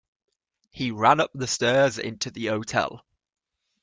He ran up the steps into the hotel.